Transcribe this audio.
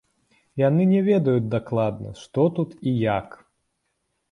Яны не ведаюць дакладна, што тут і як.